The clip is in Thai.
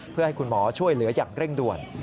เพื่อให้คุณหมอช่วยเหลืออย่างเร่งด่วน